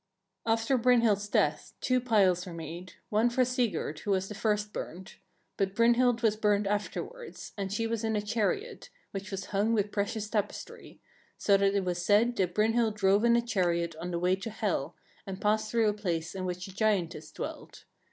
After Brynhild's death two piles were made, one for Sigurd, which was the first burnt; but Brynhild was burnt afterwards, and she was in a chariot, which was hung with precious tapestry; so that it was said that Brynhild drove in a chariot on the way to Hel, and passed through a place in which a giantess dwelt.